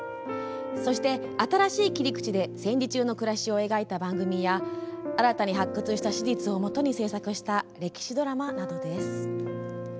そして新しい切り口で戦時中の暮らしを描いた番組や新たに発掘した史実をもとに制作した歴史ドラマなどです。